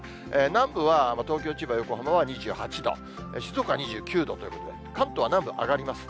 南部は東京、千葉、横浜は２８度、静岡は２９度ということで、関東は南部、上がります。